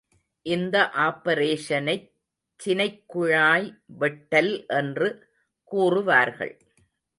இந்த ஆப்பரேஷனைச் சினைக் குழாய் வெட்டல் என்று கூறுவார்கள்.